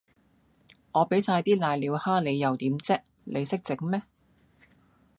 我畀曬啲攋尿蝦你又點啫，你識整咩